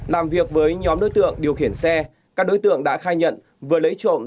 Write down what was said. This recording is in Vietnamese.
làm việc với nhóm đối tượng điều khiển xe các đối tượng đã khai nhận vừa lấy trộm